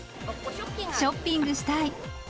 ショッピングしたい。